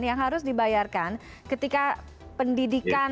yang harus dibayarkan ketika pendidikan